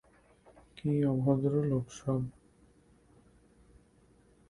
কি অভদ্র লোক সব!